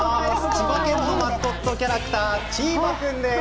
千葉県のマスコットキャラクターチーバくんです。